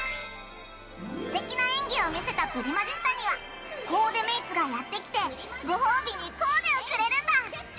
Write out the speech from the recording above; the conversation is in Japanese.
ステキな演技をみせたプリマジスタにはコーデメイツがやってきてご褒美にコーデをくれるんだ。